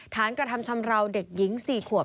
กระทำชำราวเด็กหญิง๔ขวบ